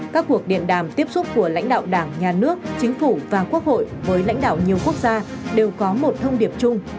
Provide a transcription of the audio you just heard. các cuộc điện đàm tiếp xúc của lãnh đạo đảng nhà nước chính phủ và quốc hội với lãnh đạo nhiều quốc gia đều có một thông điệp chung